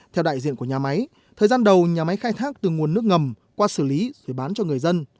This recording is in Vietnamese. theo đại diện của nhà máy thời gian đầu nhà máy khai thác từ nguồn nước ngầm qua xử lý rồi bán cho người dân